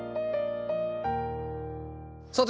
さて